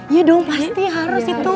ya dong pasti harus itu